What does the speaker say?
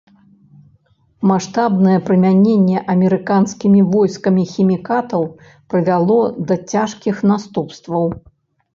Маштабнае прымяненне амерыканскімі войскамі хімікатаў прывяло да цяжкіх наступстваў.